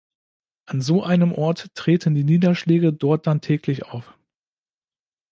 An so einem Ort treten die Niederschläge dort dann täglich auf.